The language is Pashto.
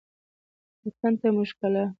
وطن ته مو ښکلا